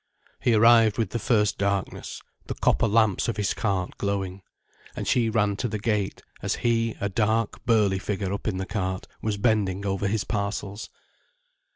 He arrived with the first darkness, the copper lamps of his cart glowing. And she ran to the gate, as he, a dark, burly figure up in the cart, was bending over his parcels.